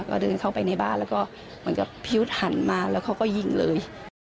ก็เดินเข้าไปในบ้านแล้วก็เหมือนกับพี่ยุทธ์หันมาแล้วเขาก็ยิงเลย